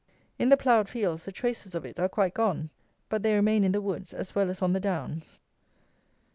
In the ploughed fields the traces of it are quite gone; but they remain in the woods as well as on the downs.